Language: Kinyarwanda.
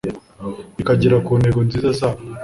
rikagera ku ntego nziza zabo